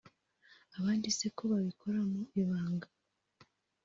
abandi se ko babikora mu ibanga